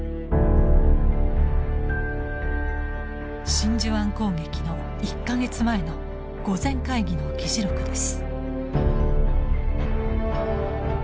真珠湾攻撃の１か月前の御前会議の議事録です。